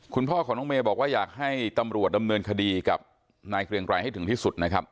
คุณพ่อของน้องเมย์บอกว่าอยากให้ตำรวจดำเนินคดีกับนายเกรียงไกรให้ถึงที่สุดนะครับ